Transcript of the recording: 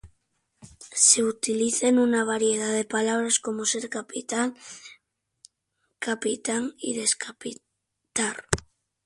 Es utilizada en una variedad de palabras, como ser "capital", "capitán" y "decapitar".